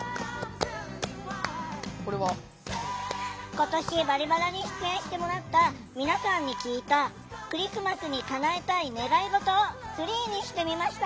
今年「バリバラ」に出演してもらった皆さんに聞いた「クリスマスにかなえたい願い事」をツリーにしてみました。